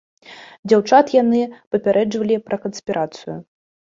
Дзяўчат яны папярэджвалі пра канспірацыю.